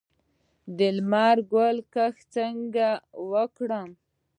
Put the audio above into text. د لمر ګل کښت څنګه وکړم؟